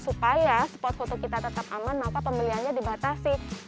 supaya spot foto kita tetap aman maka pembeliannya dibatasi